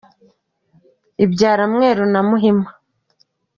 Ibyara mweru na muhima.